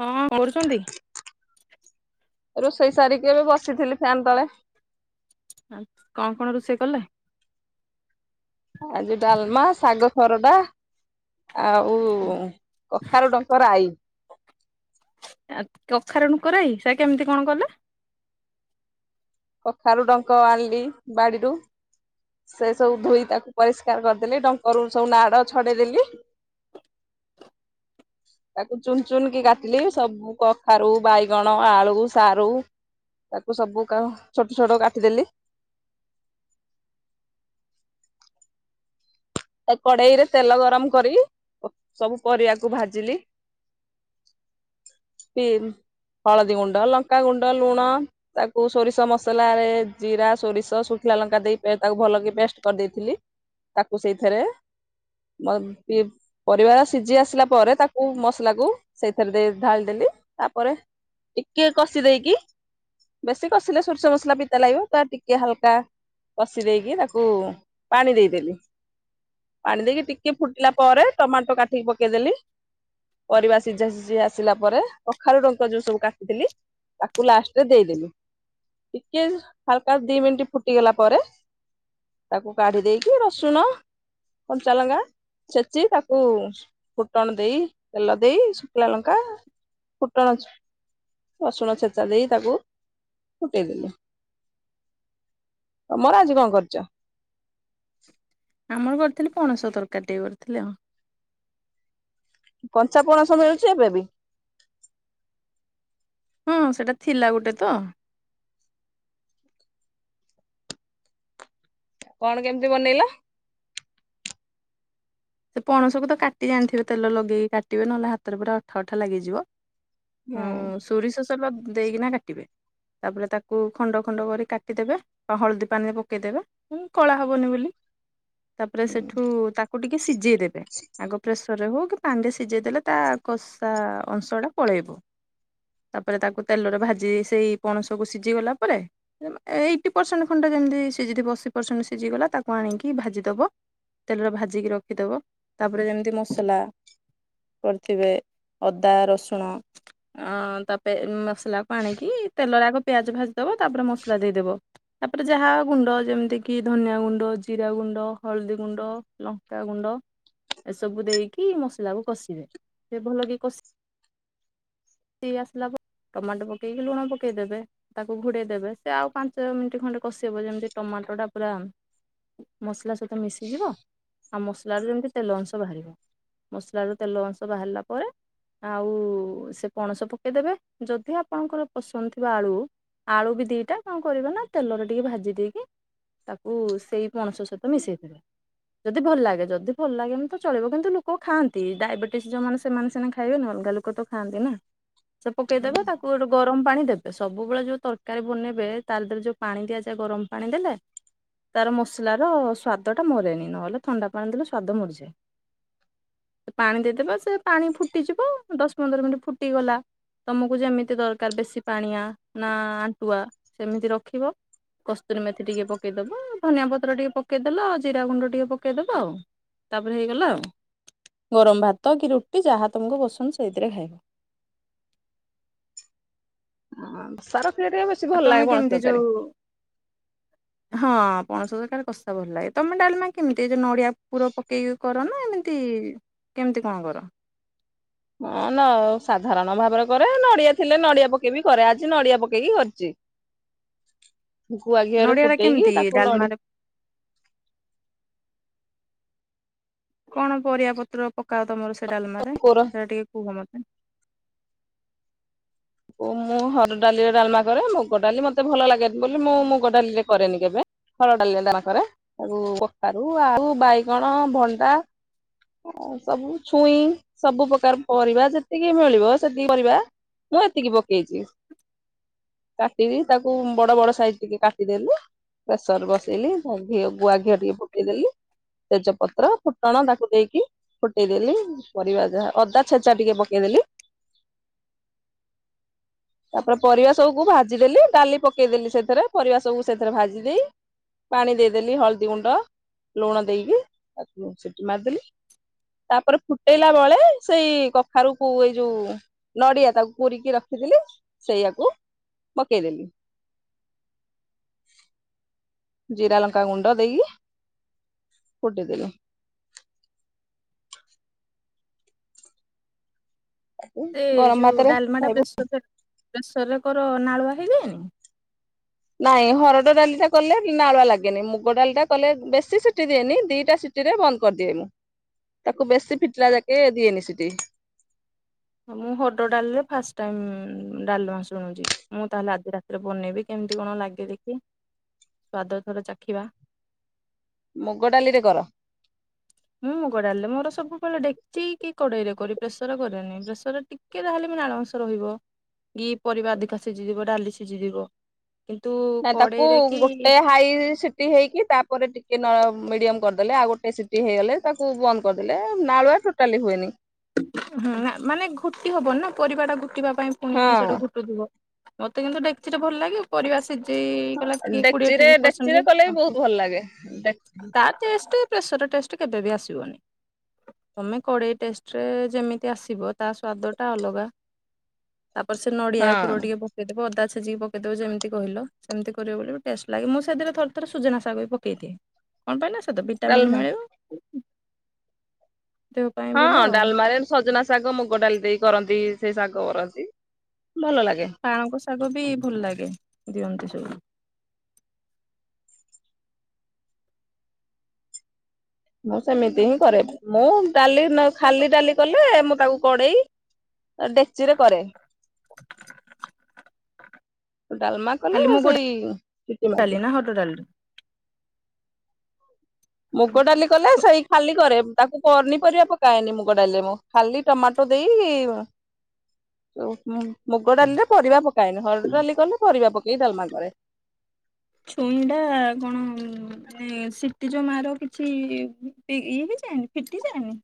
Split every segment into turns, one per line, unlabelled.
ହଁ କରୁଚନ୍ତି।
ରୋଷେଇ ସାରିକି ଏବେ ବସିଥିଲି ଫ୍ୟାନ୍ ତଳେ।
ଆଁ କଣ, କଣ ରୋଷେଇ କଲେ?
ଆଜି ଡାଲମା ଶାଗ ଖରଡ଼ା। ଆଉ କଖାରୁ ଡଙ୍କ ରାଈ।
ଆଉ କଖାରୁ ଡଙ୍କରାଇ ସେରା କେମିତି କଣ କଲେ?
କଖାରୁ ଡଙ୍କ ଆଣିଲି ବାଡିରୁ। ସେ ସବୁ ଧୋଇ ତାକୁ ପରିଷ୍କାର କରିଦେଲି ଡଙ୍କରୁ ସବୁ ନାଡ ଛଡେଇଦେଲି। ତାକୁ ଚୁନ, ଚୁନ କି କାଟିଲି ସବୁ କଖାରୁ, ବାଇଗଣ, ଆଳୁ, ସାରୁ ତାକୁ ସବୁ କାହା ଛୋଟ ଛୋଟ କାଟିଦେଲି। କଡ଼େଇ ରେ ତେଲ ଗରମ କରି ସବୁ ପରିବାକୁ ଭାଜିଲି। ବିମ, ହଳଦିଗୁଣ୍ଡ, ଲଙ୍କାଗୁଣ୍ଡ, ଲୁଣ ତାକୁ ସୋରିଷ ମସଲାରେ ଜିରା ସୋରିଷ ଶୁଖିଲା ଲଙ୍କା ଦେଇ ତାକୁ ଭଲକି ପେଷ୍ଟ କରିଦେଇଥିଲି। ତାକୁ ସେଇଥିରେ ପ ପି ପରିବାରା ସିଝି ଆସିଲା ପରେ ତାକୁ ମସଲା କୁ ସେଇଥିରେ ଦେଇ ଢାଳି ଦେଲି ତାପରେ ଟିକେ କଷି ଦେଇକି। ବେଶୀ କଷିଲେ ସୋରିଷ ମସଲା ପିତା ଲାଗିବ ବା ଟିକେ ହାଲକା କଶି ଦେଇକି ତାକୁ ପାଣି ଦେଇଦେଲି। ପାଣି ଦେଇକି ଟିକେ ଫୁଟିଲା ପରେ ଟମାଟୋ କାଠିକି ପକେଇଦେଲି। ପରିବା ସିଝା ସିଝି ଆସିଲା ପରେ କଖାରୁ ଡ଼ଙ୍କ ଯୋଉ ସବୁ କାଟିଥିଲି ତାକୁ ଲାଷ୍ଟରେ ଦେଇଦେଲି। ଟିକେ ହାଲକା ଦି ମିନିଟ ଫୁଟିଗଲା ପରେ ତାକୁ କାଢି ଦେଇକି ରସୁଣ କଞ୍ଚାଲଙ୍ଗା ଛେଚି ତାକୁ ଫୁଟଣ ଦେଇ ତେଲ ଦେଇ ଶୁଖିଲା ଲଙ୍କା [unintelligible] ରସୁଣ ଛେଚା ଦେଇ ତାକୁ ଫୁଟେଇଦେଲି। ତମର ଆଜି କଣ କରିଚ।
ଆମର କରିଥିଲି ପଣସ ତରକାରୀ ଟିକେ କରିଥିଲେ ଆଉ।
କଞ୍ଚାପଣସ ମିଳୁଛି ଏବେ ବି?
ହଁ ସେଇଟା ଥିଲା ଗୋଟେ ତ।
କଣ କେମିତି ବନେଇଲ।
ସେ ପଣସକୁ ତ କାଟି ଜାଣିଥିବେ ତେଲ ଲଗେଇକି କାଟିବେ ନହେଲେ ହାତରେ ପୁରା ଅଠା, ଅଠା ଲାଗିଯିବ। ହଁ
ହୁଁ।
ସୋରିଷ ସଲ ଦଦେଇକିନା କାଟିବେ ତାପରେ ତାକୁ ଖଣ୍ଡ ଖଣ୍ଡ କରି କାଟିଦେବେ ବା ହଳଦୀ ପାଣିରେ ପକେଇଦେବେ ଉଁ କଳା ହବନି ବୋଲି ତାପରେ ସେଠୁ ତାକୁ ଟିକେ ସିଜେଇ ଦେବେ ଆଗ ପ୍ରେସରରେ ହଉ କି ପାଣିରେ ସିଜେଇ ଦେଲେ ତା କଷା ଅଂଶଟା ପଳେଇବ। ତାପରେ ତାକୁ ତେଲରେ ଭାଜି ସେଇ ପଣସକୁ ସିଜିଗଲା ପରେ ଜମା ଏଇଟି ପରସେଣ୍ଟ ଖଣ୍ଡେ ଯେମିତି ସିଜିଥିବ ଅଶୀ ପରସେଣ୍ଟ ସିଝିଗଲା ତାକୁ ଆଣିକି ଭାଜିଦବ। ତେଲରେ ଭାଜିକି ରଖିଦବ ତାପରେ ଯେମିତି ମସଲା କରିଥିବେ ଅଦା, ରସୁଣ ଅଁ ତାପେ ମସଲାକୁ ଆଣିକି ତେଲରେ ଆଗ ପିଆଜ ଭାଜିଦବ ତାପରେ ମସଲା ଦେଇଦବ। ତାପରେ ଯାହା ଗୁଣ୍ଡ ଯେମିତି କିି ଧନିଆ ଗୁଣ୍ଡ, ଜିରା ଗୁଣ୍ଡ, ହଳଦୀ ଗୁଣ୍ଡ, ଲ ଙ୍କା ଗୁଣ୍ଡ ଏସବୁ ଦେଇକି ମସଲା କୁ କଷିବେ ସେ ଭଲ କି କ ଷି ଆସିଲା ପ ଟମାଟ ପକେଇକି ଲୁଣ ପକେଇ ଦେବେ। ତାକୁ ଘୋଡେଇ ଦେବେ ସେ ଆଉ ପାଞ୍ଚ ମିନିଟ୍ ଖଣ୍ଡେ କଷିବ ଯେମିତି ଟମାଟର ଟା ପୁରା ମସଲା ସହିତ ମିଶିଯିବ ଆଉ ମସଲାରୁ ଯେମିତି ତେଲ ଅଂଶ ବାହାରିବ ମସଲାରୁ ତେଲ ଅଂଶ ବାହାରିଲା ପରେ ଆଉ ସେ ପଣସ ପକେଇଦେବେ ଯଦି ଆପଣଙ୍କର ପସନ୍ଦ ଥିବ ଆଳୁ ଆଳୁ ବି ଦିଟା କଁ କରିବନା ତେଲରେ ଟିକେ ଭାଜି ଦେଇକି ତାକୁ ସେଇ ପଣସ ସହିତ ମିଶେଇଦେବେ। ଯଦି ଭଲ ଲାଗେ ଯଦି ଭଲ ଲାଗେ ଏମତ ଚଳିବ କିନ୍ତୁ ଲୋକ ଖାଆନ୍ତି ଡାଇବେଟିସ୍ ଯଉମାନେ ସେମାନେ ସିନା ଖାଇବେନି ଅଲଗା ଲୋକ ତ ଖଥାନ୍ତି ନା ସେ ପକେଇଦବା ତା କୁ ଗୋଟେ ଗରମ ପାଣି ଦେବେ ସବୁବେଳେ ଯୋଉ ତରକାରୀ ବନେଇବେ ତାରି ଦେହରେ ଯୋଉ ପାଣି ଦିଆଯାଏ ଗରମ ପାଣି ଦେଲେ ତାର ମସଲାର ସ୍ଵାଦ ଟା ମରେନି ନହେଲେ ଥଣ୍ଡା ପାଣି ଦେଲେ ସ୍ଵାଦ ମରିଯାଏ। ପାଣି ଦେଇଦବା ସେ ପାଣି ଫୁଟିଯିବ ଦଶ ପନ୍ଦର ମିନିଟ ଫୁଟିଗଲା। ତମକୁ ଯେମିତି ଦରକାର ବେଶୀ ପାଣିଆ ନା ଆଣ୍ଟୁଆ ସେମିତି ରଖିବ। କସ୍ତୁରୀ ମେଥି ଟିକେ ପକେଇଦବ ଧନିଆ ପତ୍ର ଟିକେ ପକେଇଦେଲ ଜିରା ଗୁଣ୍ଡ ଟିକେ ପକେଇଦବ ଆଉ ତାପରେ ହେଇଗଲା ଆଉ। ଗରମ ଭାତ କି ରୁଟି ଯାହା ତୁମକୁ ପସନ୍ଦ ସେଇଥିରେ ଖାଇବ।
ହଁ [unintelligible] ବେଶୀ
ଆଉ
ଭଲ
ତମେ
ଲାଗେ ପଣସ
କେମିତି
ତରକାରୀ।
ଯୋଉ ହଁ ପଣସ ତରକାରୀ କଷା ଭଲ ଲାଗେ ତମେ ଡାଲମା କେମିତି ଏ ଯୋ ନଡିଆ ପୁର ପ କେହି କର ନା ଏମିତି କେମିତି କଁ କର?
ହଁ ଲ ସାଧାରଣ ଭାବରେ କରେ ନଡିଆ ଥିଲେ ନଡିଆ ପକେଇବି କରେ ଆଜି ନଡିଆ ପକେଇକି କରିଚି। ଗୁଆ ଘିଅରେ
ନଡିଆ ଟା କେମିତି
ଫୁଟେଇକି ତାକୁ ନଡି
ଡାଲମାରେ କଣ ପରିବା ପତ୍ର ପକାଅ ତମର ସେ ଡାଲମାରେ
କୋର
ସେରା ଟିକେ କୁହ ମ
ଓ ମୁଁ ହରଡ ଡାଲି ରେ ଡାଲମା କରେ ମୁଗ ଡାଲି ମତେ ଭଲ ଲାଗେନି ବୋଲି ମୁଁ ମୁଗ ଡାଲିରେ କରେନି କେବେ। ହରଡ ଡାଲିରେ ଡାଲମା କରେ ଆଉ କଖାରୁ, ଆଳୁ, ବାଇଗଣ, ଭଣ୍ଡା ଓ ସବୁ ଛୁଇଁ ସବୁ ପ୍ରକାର ପରିବା ଯେତିକି ମିଳିବ ସେତିକି ପରିବା ମୁଁ ଏତିକି ପକେଇଚି। କାଟିବି ତାକୁ ବଡ ବଡ ସାଇଜ ଟିକେ କାଟିଦେଲି ପ୍ରେସର ବସେଇଲି ଘ ଘିଅ ଗୁଆ ଘିଅ ଟିକେ ପୁଟେଇଦେଲି। ତେଜପତ୍ର, ଫୁଟଣ ଦାକୁ ଦେଇ ଫୁଟେଇଦେଲି ପରିବା ଯାହା ଅଦା ଛେଚା ଟିକେ ପକେଇଦେଲି। ତାପରେ ପରିବା ସବୁକୁ ଭାଜିଦେଲି ଡାଲି ପକେଇଦେଲି ସେଥେରେ ପରିବା ସବୁ ସେଥେରେ ଭାଜି ଦେଇ ପାଣି ଦେଇଦେଲି ହଳଦୀ ଗୁଣ୍ଡ, ଲୁଣ ଦେଇକି ତାକୁ ସିଟି ମାରିଦେଲି। ତାପରେ ଫୁଟେଇଲା ବଳେ ସେଇ କଖାରୁ କୁ ଏଇ ଯୋଉ ନଡିଆ ତାକୁ କୋରିକି ରଖିଥିଲି ସେଇଆାକୁ ପକେଇଦେଲି। ଜିରା ଲଙ୍କା ଗୁଣ୍ଡ ଦେଇକି ଫୁଟିଦେଲୁ।
ସେ
ଗରମ
ଯୋଉ
ଭାତରେ
ଡ଼ାଲମା ଟା
ଖାଇବୁ
ପ୍ରେସରରେ ପ୍ରେସରରେ କର ନାଳୁଆ ହେଇଯାଏନି?
ନାଇଁ ହରଡ଼ ଡ଼ାଲି ଟା କଲେ ନାଳୁଆ ଲାଗେନି, ମୁଗ ଡ଼ାଲି ଟା କଲେ ବେଶୀ ସିଟି ଦିଏନି ଦିଟା ସି ଟିରେ ବନ୍ଦ କରିଦିଏ ମୁଁ। ତାକୁ ବେଶୀ ଫିଟିଲା ଯାକେ ଦିଏନି ସିଟି।
ମୁଁ ହରଡ଼ ଡ଼ାଲିରେ ଫାଷ୍ଟ ଟାଇମ୍ ଡ଼ାଲମା ଶୁଣୁଛି। ମୁଁ ତାହେଲେ ଆଜି ରାତିରେ ବନେଇବି କେମିତି କଣ ଲାଗେ ଦେଖିଇ। ସ୍ଵାଦ ଏଥର ଚାଖିବା।
ମୁଗ ଡ଼ାଲିରେ କର?
ମୁଁ ମୁଗ ଡ଼ାଲି ରେ ମୋର ସବୁବେଳେ ଡେକଚି କି କଡ଼େଇ ରେ କରେ। ପ୍ରେସର କରେନି ପ୍ରେସରରେ ଟିକେ ଯାହେଲେ ବି ନାଳ ଅଂଶ ରହିବ କି ପରିବା ଅଧିକା ସିଝି ଯିବ ଡ଼ାଲି ସିଝି ଯିବ। କିନ୍ତୁ
ନାଇଁ ତାକୁ
କଡ଼େଇ ରେ କି
ଗୋଟେ ହାଇ ସିଟି ହେଇକି ତାପରେ ଟିକେ ନ ମିଡ଼ିୟମ କରିଦେଲେ ଆଉ ଗୋଟେ ସିଟି ହେଇଗଲେ ତାକୁ ବନ୍ଦ କରିଦେଲେ ନାଳୁଆ ଟୋଟାଲି ହୁଏନି।
ହୁଁ ନା ମାନେ ଘୁଟି ହବନି ନା ପରିବା ଟା ଘୁଟିବା ପାଇଁ ପୁଣି ସେଠୁ
ହଁ
ଘୁଟୁଥିବ। ମୋତେ କିନ୍ତୁ ଡେକଚିରେ ଭଲ ଲାଗେ। ପରିବା ସିଝେଇ ଗଲା କିଏ କୋଡ଼ିଏ
ଡେକ୍ଚିରେ
ତିରିଶ୍
ଡେକ୍ଚିରେ
ପରସେଣ୍ଟରେ
କଲେ
ଆଉ।
ବି ବହୁତ ଭଲ ଲାଗେ।
ତା ଟେଷ୍ଟ ପ୍ରେସରରେ ଟେଷ୍ଟ କେବେ ବି ଆସିବନି। ତମେ କଡ଼େଇ ଟେଷ୍ଟରେ ଯେମିତି ଆସିବ ତା ସ୍ଵାଦ ଟା ଅଲଗା, ତାପରେ ସେ
ହଁ
ନଡ଼ିଆ କୁର ଟିକେ ପକେ ଇ ଦେବ ଅଦା ଛେିଚିକି ପକେଇବ ଯେମିତି କହିଲ ସେମିତି କରିବ ବୋଲି ବି ଟେଷ୍ଟ ଲାଗେଁ, ମୁଁ ସେଦିରେ ଥରେ ଥରେ ସୁଜନା ଶାଗ ବି ପ କେଇ ଦିଏ, କଣ ପାଇଁନା ସେଥୁ ଭିଟାମିନ୍
ଡାଲମା
ମିଳିବ। ଦେହ ପାଇଁ
ହଁ
ଭଲ ଆଉ।
ଡାଲମାରେ ସଜନା ଶାଗ ମୁଗ ଡ଼ାଲି ଦେଇ କରନ୍ତି ସେଇ ଶାଗ କରନ୍ତି ଭଲ ଲାଗେ।
ପାଳଙ୍ଗ ଶାଗ ବି ଭଲ ଲାଗେ ଦିଅନ୍ତି ସବୁ।
ମୁଁ ସେମିତି ହିଁ କରେ, ମୁଁ ଡ଼ାଲି ନ ଖାଲି ଡ଼ାଲି କଲେ ମୁଁ ତାକୁ କଡ଼େଇ ଡେକ୍ଚିରେ କରେ। ଡ଼ାଲମା କଲେ
ଖାଲି ମୁଗ
ସେଇ ସିଟି
ଡାଲି
ମାରିଦିଏ।
ହରଡ଼ ଡାଲି।
ମୁଗ ଡାଲି କଲେ ସେଇ ଖାଲି କରେ ବାକୁ ପନିପରିବା ପକାଏନି ମୁଗ ଡ଼ାଲି ରେ ମୁଁ ଖାଲି ଟମାଟୋ ଦେଇ [inaudible] ଯୋଉ ଉଁ ମୁଗ ଡ଼ାଲି ରେ ପରିବା ପକାଏନି ହରଡ଼ ଡାଲି କଲେ ପରିବା ପକେଇ ଡାଲମା କରେ। [inaudible]
ଛୁଇଁ ଟା କଣ ଉଁ ଏଁ ସିଟି ଯୋଉ ମାର କିଛି ଫି ଇଏ ହେଇଯାଏନି ଫିଟିଯାଏନି?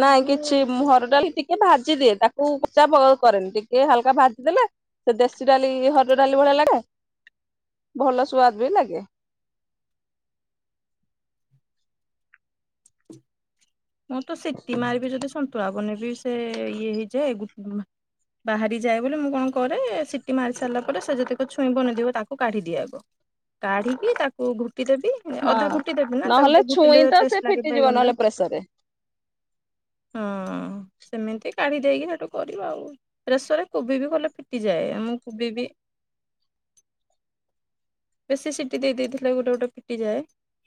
ନାଇଁ କିଛି ମୁଁ ହରଡ଼ ଡ଼ାଲି ଟିକେ ଭାଜିଦିଏ ତାକୁ କଚା ପ କରେନି ଟିକେ ହାଲକା ଭାଜିଦେଲେ ସେ ଦେଶୀ ଡ଼ାଲି ହରଡ଼ ଡାଲି ଭଳିଆ ଲାଗେ, ଭଲ ସୁଆଦ ବି ଲାଗେ।
ମୁଁ ତ ସିଟି ମାରିବି ଯଦି ସନ୍ତୁଳା ବନେଇବି ସେ ଇଏ ହେଇଯାଏ। ଗୁ ବାହାରି ଯାଏ ବୋଲି ମୁଁ କଣ କରେ ସିଟି ମାରି ସାରିଲା ପରେ ସେ ଯେତିକ ଛୁଇଁ ବନିଥିବ ତାକୁ କାଢ଼ି ଦିଏ ଆଗ। କାଢ଼ିକି ତାକୁ ଘୁଟି ଦେବି ଅଧା
ହଁ।
ଘୁଟି ଦେବି ନା ତାକୁ ଟିକେ ଘୁଟିଲେ ଟେଷ୍ଟ ଲାଗେ ବାଇଗଣ ଟା।
ଏସରେ।
ହଁ ସେମିତି କାଢ଼ି ଦେଇକି ସେଠୁ କରିବ ଆଉ। ପ୍ରସରରେ କୋବି ବି କଲେ ଫିଟିଯାଏ ଆମ କୋବି ବି ବେଶୀ ସିଟି ଦେଇ ଦେଇଥିଲେ ଗୋଟେ ଗୋଟେ ଫିଟିଯାଏ।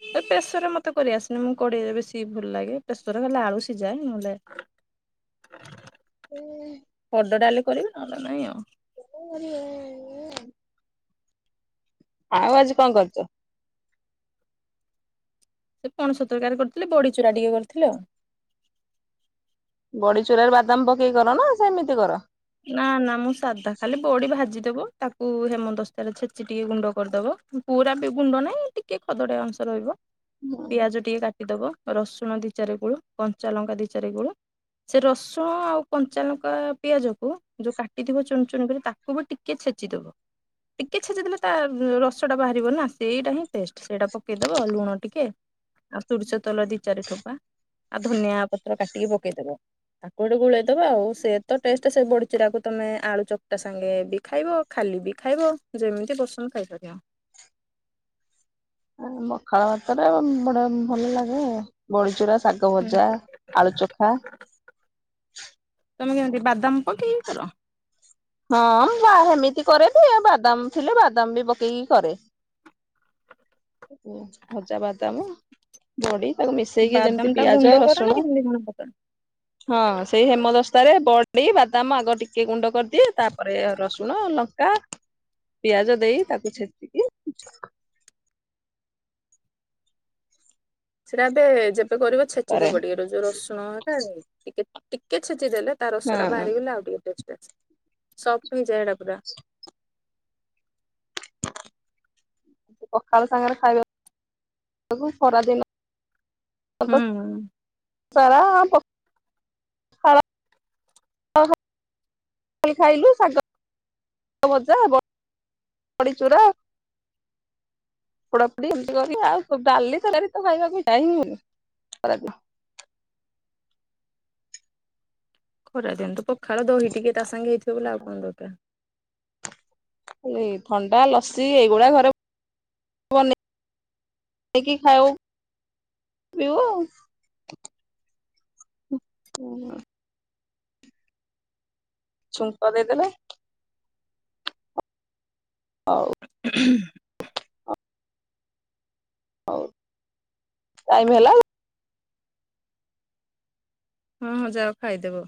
ଏ ପ୍ରେସରରେ ମତେ କରି ଆସେନି ମୁଁ କଡ଼େଇରେ ବେଶୀ ଭଲ ଲାଗେ ପ୍ରେସରରେ ଖାଲି ଆଳୁ ସିଝାଏ ନହେଲେ
ହୁଁ।
ପୋଡ଼ ଡାଲି କରିବି ନହେଲେ ନାଇଁ ଆଉ।
ମୋରିଆ ଆଉ ଆଜି କଣ କରୁଛ?
ସେ ପଣସ ତରକାରୀ କରିଥିଲି ବଡି ଚୁରା ଟିକେ କରିଥିଲେ ଆଉ।
ବଡି ଚୁରାରେ ବାଦାମ ପକେଇ କର ନା ସେମିତି କର?
ନା ନା ମୁଁ ସାଧା ଖାଲି ବଡି ଭାଜିଦବ ତାକୁ ହେମ ଦସ୍ତାରେ ଛେଚି ଟିକେ ଗୁଣ୍ଡ କରିଦବ ପୁରା ବି ଗୁଣ୍ଡ ନାହିଁ ଟିକେ ଖଦଡା ଅଂଶ ରହିବ। ପିଆଜ ଟିକେ କାଟିଦବ ରସୁଣ ଦି ଚାରି ଗୋଳୁ କଞ୍ଚାଲଙ୍କା ଦି ଚାରି ଗୁଳୁ ସେ ରସୁଣ ଆଉ କଞ୍ଚା ଲଙ୍କା ପିଆଜକୁ ଯୋଉ କାଟିଥିବ ଚୁନ ଚୁନ କରି ତାକୁ ବି ଟିକେ ଛେଚିଦବ। ଟିକେ ସେ ଛେଡ଼ଦେଲେ ତା ରସ ଟା ବାହାରିବ ନା ସେଇଟା ହିଁ ଟେଷ୍ଟ। ସେଇଟା ପକେଇଦବ ଲୁଣ ଟିକେ ଆଉ ସୋରିଷ ତେଲ ଦି ଚାରି ଠୋପା ଆଉ ଧନିଆ ପତ୍ର କାଟିକି ପକେଇଦବ। ତାକୁ ଗୋଟେ ଗୋଳେଇଦବା ଆଉ ସେ ତ ଟେଷ୍ଟ। ତ ସେ ବଡ଼ି ଚୁରାକୁ ତୁମେ ଆଳୁ ଚକଟା ସାଙ୍ଗେ ବି ଖାଇବ ଖାଲି ବି ଖାଇବ ଯେମିତି ପସନ୍ଦ ଖାଇପାରିବ।
ଆ ପଖାଳ ଭାତରେ ବଡେ ଭଲ ଲାଗେ ଆଉ। ବଳିଚୁରା ଶାଗ
ହୁଁ
ଭଜା ଆଳୁ ଚଖା
ତମେ କେମିତି ବାଦାମ ପକେଇକି କର?
ହଁ ବା ସେମିତି କରେ ବି ବାଦାମ ଥିଲେ ବାଦାମ ବି ପକେଇକି କରେ। ଓ ଭଜା ବାଦାମ ବଡି ତାକୁ ମିଶେଇକି ଯେମିତି
ବାଦାମ ଟା
ପିଆଜ
ଗୁଣ୍ଡ କର ନା
ରସୁଣ
କେମିତି କଣ ପକା?
ହଁ ସେଇ ହେମଦସ୍ତାରେ ବଡି ବାଦାମ ଆଗ ଟିକେ ଗୁଣ୍ଡ କରିଦ ଅନ୍ତି। ତାପରେ ରସୁଣ ଲଙ୍କା ପିଆଜ ଦେଇ ତାକୁ ଛେଚିକି
ସେଟା ଏବେ ଯେବେ କରିବ
କରେ
ଛେଚିଦବ ଟିକେ ର ଯୋଉ ରସୁଣ ହେ ଟିକେ ଟିକେ ଛେଚି ଦେଲେ ତା ରସ ଟା
ହଁ
ବାହାରିଗଲା ଆଉ ଟିକେ ଟେଷ୍ଟ ଆସିବ। ସଫ୍ଟ ହେଇଯାଏ ଏଇଟା ପୁରା।
ପଖାଳ ସାଙ୍ଗରେ ଖାଇବାକୁ ଖରା ଦିନ [unintelligible]
ହୁଁ
ସାରା। [unintelligible] ଖାଇଲୁ ଶାଗ ଶାଗ ଭଜା ବଡି -ଚୁରା ପୋଡାପୁଡ଼ି ଏମିତି କର ଆଉ ଡାଲି ତରକରି ଖାଇବାକୁ ଇଛାହିଁ ହଉନି ଖରାଦିନେ।
ଖରା ଦିଅନ୍ତୁ ପଖାଳ ଦହି ଟିକେ ତା ସାଙ୍ଗେ ହେଇଥିବ ବେଲେ ଆଉ କଣ ଦରକାର।
ଖାଲି ଥଣ୍ଡା ଲସି ଏଇଗୁଡା ଘରେ କୁହନି ଦେଇକି -ଖାଇବ- ପିଉ ଆଉ। ହୁଁ। ଛୁଙ୍କ ଦେଇଦେବେ ହଉ।
ହଁ [inaudible]
ହଉ। ଟାଇମ ହେଲାଉ
ହଁ ହଁ ଯାହା ଖାଇଦବ?